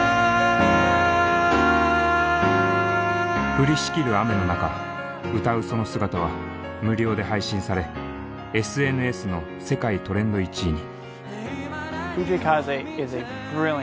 降りしきる雨の中歌うその姿は無料で配信されＳＮＳの世界トレンド１位に。